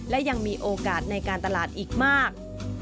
และยังมีโอกาสในการตลาดอีกมาก